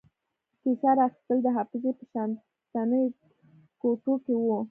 کیسه را اخیستل د حافظې په شاتنیو کوټو کې وو.